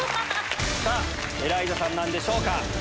エライザさんなんでしょうか？